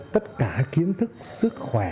tất cả kiến thức sức khỏe